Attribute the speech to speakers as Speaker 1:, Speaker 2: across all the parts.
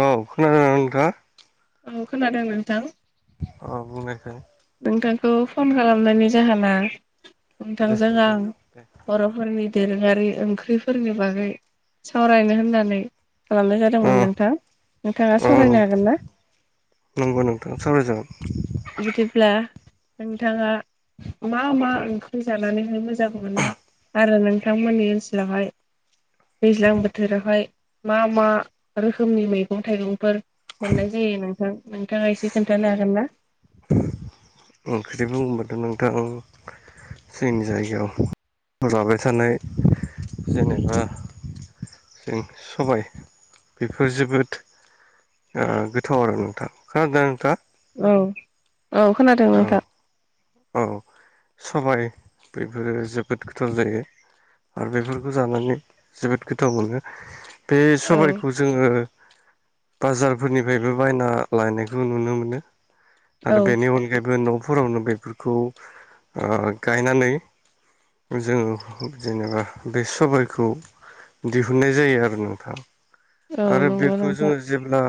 Speaker 1: औ खोनादों ना नोंथाङा
Speaker 2: औ खोनादों नोंथां
Speaker 1: अ बुंनायसाय
Speaker 2: नोंथांखौ फन खालामनायनि जाहोना
Speaker 1: दे
Speaker 2: नोंथांजों आं
Speaker 1: औ दे
Speaker 2: बर'फोरनि दोरोङा- थि ओंख्रिफोरनि बागै सावरायनो होननानै खालामनाय
Speaker 1: अ
Speaker 2: जादोंमोन नोंथां नोंथाङा
Speaker 1: अ
Speaker 2: सावरायनो हागोन ना?
Speaker 1: सावराय जागोन
Speaker 2: बिदिब्ला नोंथाङा मा मा ओंख्रि जानानैहाय मोजां मोनो? आरो नोंथांमोननि ओनसोलावहाय दैज्लां बोथोरावहाय मा मा रोखोमनि मैगं थाइगंफोर मोननाय जायो नोंथां नोंथाङा एसे खोन्थानो हागोन ना?
Speaker 1: ओंख्रि बुंबाथ' नोंथां जोंनि जायगायाव जाबाय थानाय जेनेबा जों सबाय बेफोर जोबोद गोथाव आरो नोंथां खोनादों ना नोंथाङा
Speaker 2: औ औ खोनादों
Speaker 1: औ
Speaker 2: नोंथां
Speaker 1: औ सबाय बेफोरो जोबोद गोथाव जायो आरो बेफोरखौ जानानै जोबोद गोथाव मोनो बे
Speaker 2: औ
Speaker 1: सबायखौ जोङो बाजारफोरनिफ्रायबो बायना लायनायखौ नुनो मोनो आरो
Speaker 2: औ
Speaker 1: बेनि अनगायैबो न'फोरावनो बे खौ गायनानै जोङो जेनेबा बे सबायखौ दिहुननाय जायो आरो नोंथां
Speaker 2: औ
Speaker 1: आरो
Speaker 2: नंगौ
Speaker 1: बेखौ
Speaker 2: नोंथां
Speaker 1: जोङो जेब्ला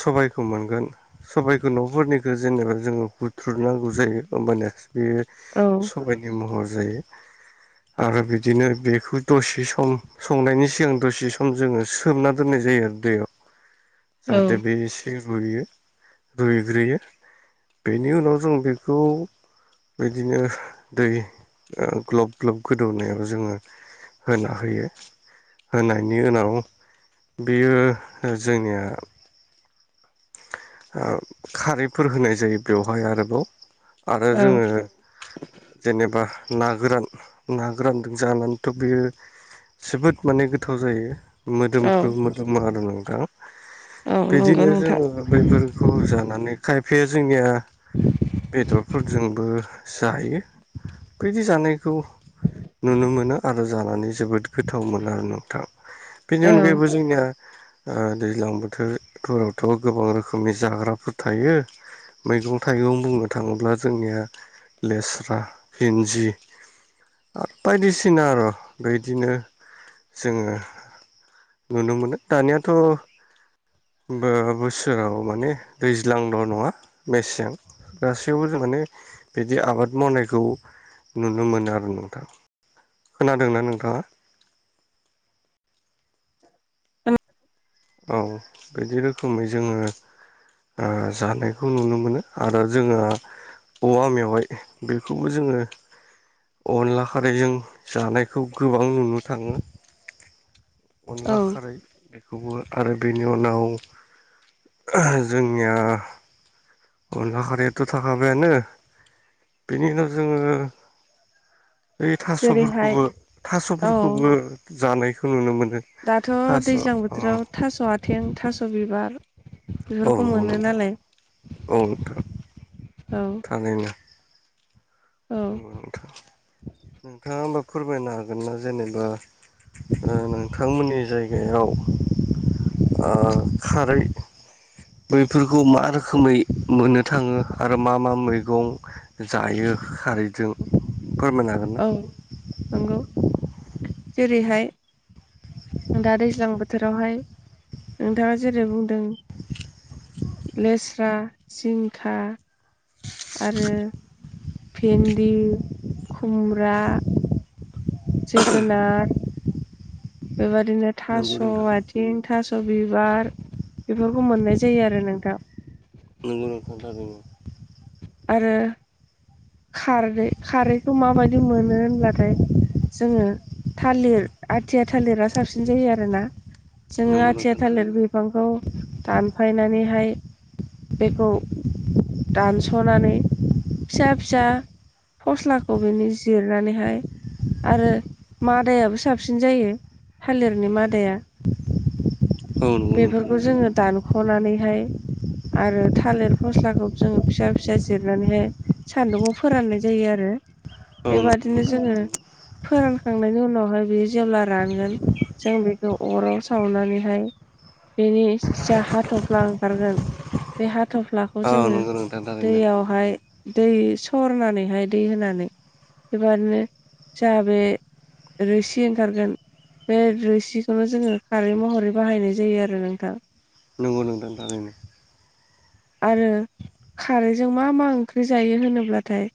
Speaker 1: सबायखौ मोनगोन सबायखौ न'फोरनिखौ जेनेबा जोङो थुरनांगौ जायो होमबानिया बेयो
Speaker 2: औ
Speaker 1: सबाइनि महर जायो आरो बिदिनो बेखौ दसे सम संनायनि सिगां दसे सम जोङो सोमना दोननाय जा जायो आरो दैयाव
Speaker 2: औ
Speaker 1: जाहाथे बे एसे रुयो रुइग्रोयो बेनि उनाव जों बेखौ बिदिनो दै ग्लब ग्लब गोदौनायाव जोङो होना होयो होनायनि उनाव बेयो जोंनिया [inaudible] खारैफोर होनाय जायो बेवहाय आरोबाव आरो
Speaker 2: औ
Speaker 1: जोङो जेनेबा ना गोरान ना गोरानजों जानानैथ' बियो जोबोद माने गोथाव जायो
Speaker 2: औ
Speaker 1: मोदोमफ्रु मोदोमो आरो नोंथां
Speaker 2: औ नंगौ
Speaker 1: बिदिनो
Speaker 2: नोंथां
Speaker 1: जोङो बे जानानै खायफाया जोंनिया जोंबो जायो बिदि जानायखौ नुनो मोनो आरो जानानै जोबोद गोथाव मोनो आरो नोंथां। बेनि
Speaker 2: औ
Speaker 1: अनगायैबो जोंनिया दैज्लां बोथोरफोरावथ' गोबां रोखोम रोखोमनि जाग्राफोर थायो। मैगं थाइगं बुंनो थाङोब्ला जोंनिया लेस्रा भिन्दि आरो बायदिसिना आरो बेदिनो जोङो नुनो मोनो दानियाथ' जेराव माने दैज्लांल' नङा मेसें गासैयावबो जों माने बिदि आबाद मावनायखौ नुनो मोनो आरो नोंथां। खोनादोंना नोंथाङा?
Speaker 2: [inaudible] औ
Speaker 1: औ बिदि रोखोमै जोङो जानायखौ नुनो मोनो आरो जोङो औवा मेवाय बेखौबो जोङो अनला खारै जों जानायखौ गोबां नुनो थाङो
Speaker 2: औ
Speaker 1: अनला खारै बेखौबो आरो बेनि उनाव जोंनिया अनला खारैयाथ' थाखाबायानो बेनि उनाव जोङो बे
Speaker 2: जेरैहाय
Speaker 1: थास'फोरखौबो
Speaker 2: औ
Speaker 1: थास'फोरखौबो जानायखौ नुनो मोनो।
Speaker 2: दाथ'
Speaker 1: थास'
Speaker 2: दैज्लां
Speaker 1: अ
Speaker 2: बोथोराव थास'आ आथें थास' बिबार
Speaker 1: औ
Speaker 2: बेफोरखौ
Speaker 1: नंगौ
Speaker 2: मोनो
Speaker 1: नोंथां
Speaker 2: नालाय।
Speaker 1: औ नोंथां
Speaker 2: औ
Speaker 1: [inaudible]
Speaker 2: औ
Speaker 1: नंगौ नोंथां नोंथाङा फोरमायनो हागोन ना जेनेबा नोंथांमोननि जायगायाव आ खारै बैफोरखौ मा रोखोमै मोननो थाङो आरो मा मा मैगं जायो। खारैजों फोरमायनो हागोन ना
Speaker 2: औ नंगौ जेरैहाय दा दैज्लां बोथोरावहाय नोंथाङा जेरै बुंदों। लेस्रा जिंका आरो भेन्दि खुमब्रा जोगोनार बेबायदिनो थास'
Speaker 1: नंगौ नोंथां
Speaker 2: आथिं थास' स' बिबार बेफोरखौ मोननाय जायो आरो नोंथां
Speaker 1: नोंगौ नोंथां नोंगौ
Speaker 2: आरो खारै खारैखौ माबायदि मोनो होनब्लाथाय जोङो थालिर आथिया थालिरा साबसिन जायो आरोना। जोङो
Speaker 1: नंगौ
Speaker 2: आथिया
Speaker 1: नोंथां
Speaker 2: थालिर
Speaker 1: थारैनो
Speaker 2: बिफांखौ दानफायनानैहाय बेखौ दानस'नानै फिसा फिसा फस्लाखौ बिनि जिरनानैहाय आरो मादायाबो साबसिन जायो थालिरनि मादाया
Speaker 1: औ नंगौ नोंथां
Speaker 2: बेफोरखौ
Speaker 1: थारैनो
Speaker 2: जोङो दा खनानैहाय आरो थालिर फस्लाखौ जोङो फिसा फिसा जिरनानैहाय सान्दुंआव फोराननाय जायो आरो।
Speaker 1: औ नंगौ नोंथां
Speaker 2: बेबादिनो जोङो
Speaker 1: थारैनो
Speaker 2: फोरानखांनायनि उनावहाय बेयो जेब्ला रानगोन जों बेखौ अराव सावनानैहाय बेनि जाया हाथफ्ला ओंखारगोन बे हा थफ्लाखौ
Speaker 1: औ
Speaker 2: जोङो
Speaker 1: नंगौ नोंथां थारैनो
Speaker 2: दैयावहाय दै सरनानैहाय दै होनानै बेबादिनो जों बे रोसि ओंखारगोन। बे रोसिखौनो जोङो खारै महरै बाहायनाय जायो आरो नोंथां।
Speaker 1: नंगौ नोंथां थारैनो
Speaker 2: आरो खारैजों मा मा ओंख्रि जायो होनोब्लाथाय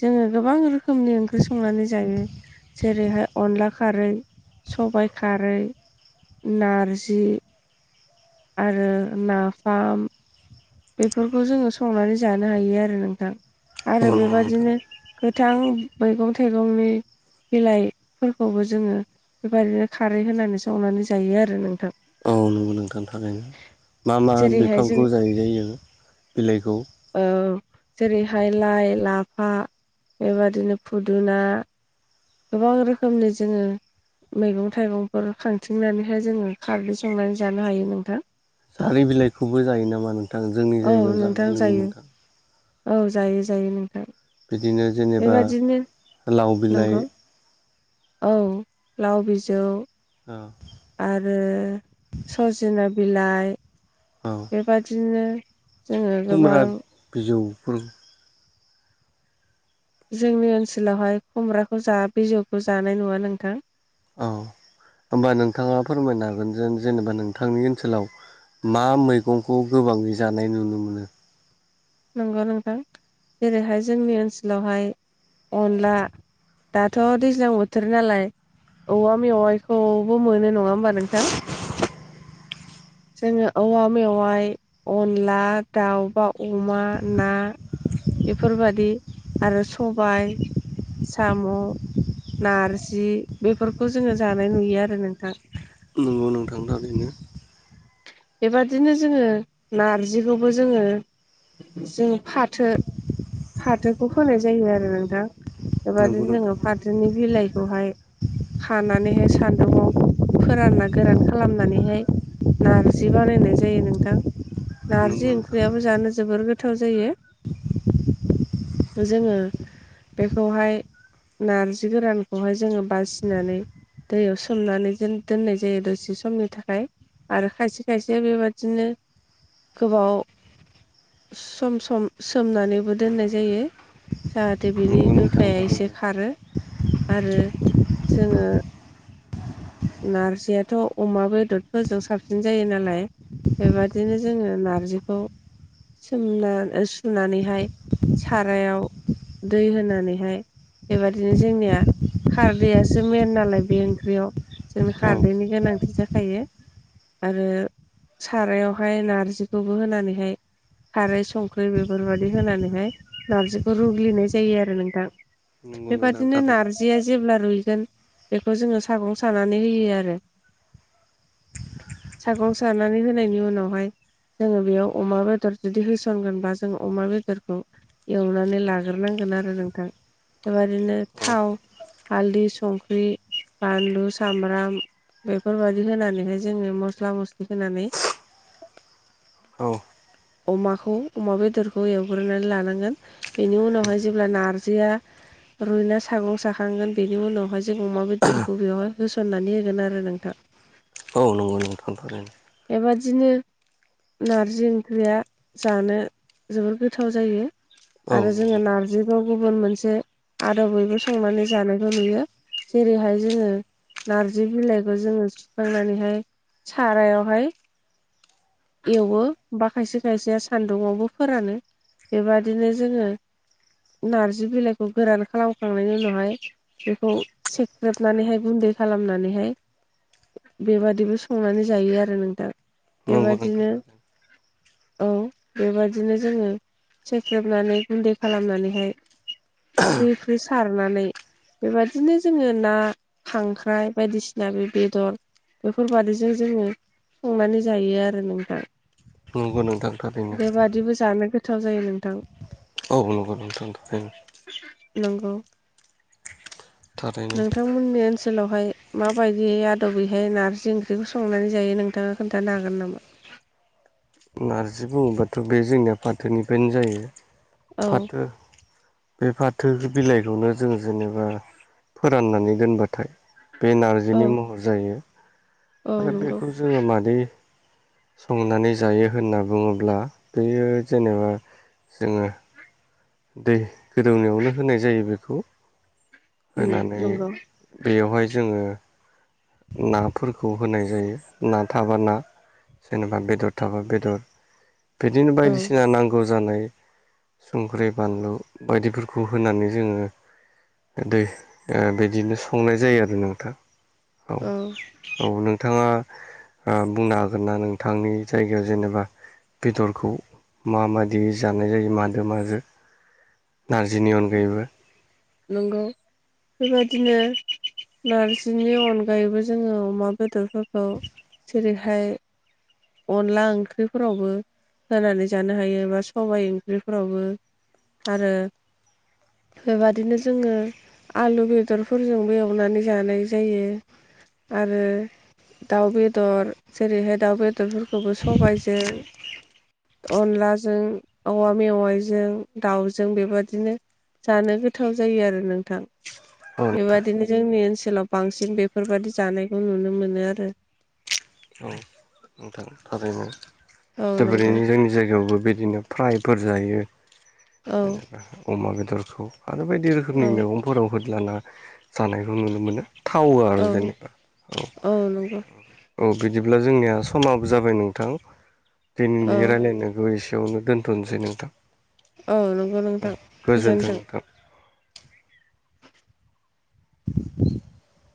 Speaker 2: जोङो गोबां रोखोमनि ओंख्रि संनानै जायो। जेरैहाय अनला खारै सबाइ खारै नारजि आरो नाफाम बेफोरखौ जोङो संनानै जानो हायो आरो नोंथां
Speaker 1: औ
Speaker 2: आरो
Speaker 1: नंगौ नोंथां
Speaker 2: बेबादिनो गोथां मैगं थाइगंनि बिलाइफोरखौबो जोङो बेबायदिनो खारै होनानैसोंनानै जायो आरो नोंथां
Speaker 1: नोंगौ नोंथां थारैनो मा मा
Speaker 2: जेरैहाय
Speaker 1: बिफांखौ
Speaker 2: जों
Speaker 1: जाय जायो बिलाइखौ
Speaker 2: औ जेरैहाय लाइ लाफा बेबादिनो फुदुना गोबां रोखोमनि जोङो मैगं थाइगंफोर खांथिंनानैहाय जोङो खारदै संनानै जानो हायो नोंथां
Speaker 1: जारि बिलाइखौबो जायो नामा नोंथां जोंनि
Speaker 2: औ
Speaker 1: जायगायाव
Speaker 2: नोंथां
Speaker 1: जानाय नुयो
Speaker 2: जायो
Speaker 1: नोंथां
Speaker 2: औ जायो जायो नोंथां
Speaker 1: बिदिनो जेनेबा
Speaker 2: बेबादिनो
Speaker 1: लाव
Speaker 2: नंगौ
Speaker 1: बिलाइ
Speaker 2: औ लाव बिजौ
Speaker 1: औ
Speaker 2: आरो सजिना बिलाइ
Speaker 1: औ
Speaker 2: बेबादिनो जोङो गोबां
Speaker 1: खुमब्रा बिजौफोर
Speaker 2: जोंनि ओनसोलावहाय खुमब्राखौ जा बिजौखौ जानाय नुवा नोंथां
Speaker 1: औ होमबा नोंथाङा फोरमायनो हागोन जे जेनेबा नोंथांनि ओनसोलाव मा मैगंखौ गोबाङै जानाय नुनो मोनो।
Speaker 2: नंगौ नोंथां जेरैहाय जोंनि ओनसोलावहाय अनला दाथ' दैज्लां बोथोर नालाय औवा मेवाइखौबो मोनो नङा होमबा नोंथां जोङो औवा मेवाइ अनला दाउबा अमा ना बेफोरबादि आरो सबाय साम' नारजि बेफोरखौ जोङो जानाय नुयो आरो नोंथां
Speaker 1: बुंनो थांबा बिदिनो
Speaker 2: बेबादिनो जोङो नारजिखौबो जोङो जों फाथो फाथोखौ होनाय जायो आरो नोंथां बेबादि
Speaker 1: नंगौ नोंथां
Speaker 2: जोङो फाथोनि बिलाइखौहाय खानानैहाय सान्दुंआव फोरानना गोरान खालामनानैहाय नारजि बानायनाय जायो नोंथां नारजि
Speaker 1: नंगौ नोंथां
Speaker 2: ओंख्रियाबो जानो जोबोर गोथाव जायो जोङो बेखौहाय नारजि गोरानखौहाय जोङो बासिनानै दैयाव सोमनानै दोननाय जायो दसे समनि थाखाय आरो खायसे खायसे बेबादिनो गोबाव सम सम सोमनानैबो दोननाय जायो जाहाथे बिनि
Speaker 1: नंगौ नोंथां
Speaker 2: गोखाया
Speaker 1: थारैनो
Speaker 2: एसे खारो आरो जोङो नारजियाथ' अमा बेदरफोरजों साबसिन जायो नालाय बेबदिनो जोङो नारजिखौ सोमना सुनानैहाय सारायाव दै होनानैहाय बेबादिनो जोंनिया खारदैयासो मेन नालाय बे ओंख्रियाव जों
Speaker 1: औ
Speaker 2: खारदैनि गोनांथि जाखायो आरो सारायावहाय नारजिखौबो होनानैहाय खारै संख्रि बेफोरबायदि होनानैहाय नारजिखौ रुग्लिनाय जायो आरो नोंथां
Speaker 1: नंगौ
Speaker 2: बेबादिनो
Speaker 1: नोंथां थारैनो
Speaker 2: नारजिया जेब्ला रुइगोन बेखौ जोङो सागं स सानानै होयो आरो सागआव सानानै होनायनि उनावहाय जोङो बेयाव अमा बेदर जुदि होसनगोनबा जोङो अमा बेदरखौ एवनानै लाग्रोनांगोन नोंथां बेबनो
Speaker 1: औ
Speaker 2: थाव हालदै संख्रि बानलु सामब्राम बेफोरबायदि होनानैहाय जोङो मस्ला मस्लि होनानै [inaudible]
Speaker 1: औ
Speaker 2: अमाखौ अमा बेदरखौ एवग्रोनानै लानांगोन बेनि उनावहाय जेब्ला नारजिया रुइना सागं साखांगोन बेनि उनावहाय जों अमा बेदरखौ बेवहाय होसननानै होगोन आरो नोंथां
Speaker 1: ओ‌ नोंथां
Speaker 2: बेबादिनो नारजि ओंख्रिया जानो जोबोर गोथाव जायो
Speaker 1: औ
Speaker 2: आरो जोङो नारजिखौ गुबुन मोनसे आदब बयबो संनानै जानायखौ नुयो जेरैहाय जोङो नारजि बिलाइखौ जोङो सुखांनानैहाय सारायावहाय एवो बा खायसे खायसे सान्दुंआवबो फोरानो बेबादिनो जोङो नारजि बिलाइखौ गोरान खालामखांनायनि उनावहाय बेखौ सेख्रेबनानैहाय गुन्दै थै खालामनानैहाय बेबादिबो संनानै जायो आरो नोंथां
Speaker 1: नंगौ नोंथां नंगौ नोंथां थारैनो
Speaker 2: बेबादिनो औ बेबादिनो जोङो सेख्रेबनानै गुन्दै खालामनानैहाय फिरि फिरि सारनानै बेबादिनो जोङो ना खांख्राइ बायदिसिना बे बेदर बेफोरबादिजों जोङो संनानै जायो आरो नोंहा
Speaker 1: नंगौ नोंथां थारैनो
Speaker 2: बेबादिबो जानो गोथाव जायो नों
Speaker 1: औ औ नोंखौ नोंथां।
Speaker 2: नंगौ
Speaker 1: थारैनो
Speaker 2: नोंथांमोननि ओनसोलाव बेहाय माबायदि आदबैहाय नारजि ओंख्रिखौ संनानै जायो नोंथाङा खोन्थानो हागोन नामा?
Speaker 1: नारजि बुङोबाथ' बे जोंनिया फाथोनिफ्रायनो जायो
Speaker 2: औ
Speaker 1: फाथो बे फाथो बिलाइखौनो जोङो जेनेबा फोराननानै दोनबाथाय बे
Speaker 2: औ
Speaker 1: नारजिनि महर जायो।
Speaker 2: औ
Speaker 1: आरो
Speaker 2: नंगौ
Speaker 1: बेखौ जोङो मादै संनानै जायो होनना बुङोब्ला बेयो जेनेबा जोङो दै गोदौनायावनो होनाय जायो बेखौ
Speaker 2: उम
Speaker 1: होनानै
Speaker 2: नंगौ
Speaker 1: बेयावहाय जोङो नाफोरखौ होनाय जायो ना थाबा ना जेनेबा बेदर थाबा बेदर बिदिनो
Speaker 2: औ
Speaker 1: बायदिसिना नांगौ जा जानाय संख्रि बानलु बायदिफोरखौ होनानै जोङो दै बिदिनो संनाय जायो आरो नोंथां। औ औ नोंथाङा। बुंनो हागोन ना नोंथांनि जायगायाव जेनेबा बेदरखौ माबायदि जानाय जायो माजो माजों। नारजिनि अनगायैबो
Speaker 2: नंगौ बेबायदिनो नारजिनि अनगायैबो जोङो अमा बेदर फोरखौ जेरैहाय अनला ओंख्रिफोरावबो होनानै जानो हायो बा सबाय ओंख्रिफोरावबो आरो बेबादिनो जोङो आलु बेदरफोरजोंबो एवनानै जानाय जायो। आरो दाउ बेदर जेरैहाय दाउ बेदरफोरखौबो सबायजों अनलाजों औवा मेवाइजों दाउजों बेबादिनो जानो गोथाव जायो आरो नोंथां
Speaker 1: औ नोंथां
Speaker 2: बेबादिनो जोंनि ओनसो लाव बांसिन बेफोरबादि जानायखौ नुनो मोनो आरो।
Speaker 1: [unintelligible]
Speaker 2: औ नंगौ
Speaker 1: जोबोरैनो जोंनि जायगायावबो बिदिनो फ्रायफोर जायो।
Speaker 2: औ
Speaker 1: जेनेबा अमा बेदरखौ आरो बायदि रोखोमनि
Speaker 2: औ
Speaker 1: मैगंफोराव हो। नाना जानायखौ नुनो मोनो। थावो आरो
Speaker 2: औ
Speaker 1: जेनेबा औ औ बिदि ब्ला जोंनिया समाबो जाबाय नोंथां
Speaker 2: औ
Speaker 1: दिनैनि रायज्लायनो एसे वानो दोन्थ'नोसै नोंथां
Speaker 2: औ नंगौ नोंथां
Speaker 1: गोजोनथों
Speaker 2: गोजोन्थों
Speaker 1: नोंथां। [inaudible]